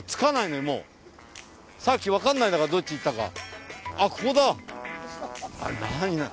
さっきわかんないんだからどっち行ったか。